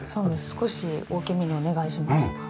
少し大きめにお願いしました。